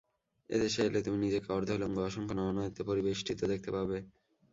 এদেশে এলে তুমি নিজেকে অর্ধ-উলঙ্গ অসংখ্য নর-নারীতে পরিবেষ্টিত দেখতে পাবে।